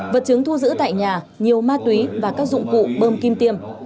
vật chứng thu giữ tại nhà nhiều ma túy và các dụng cụ bơm kim tiêm